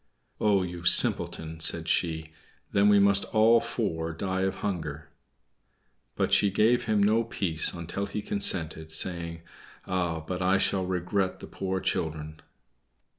"Oh, you simpleton!" said she. "Then we must all four die of hunger." But she gave him no peace until he consented, saying, "Ah, but I shall regret the poor children."